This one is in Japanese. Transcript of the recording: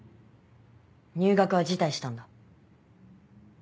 入学は辞退したんだ。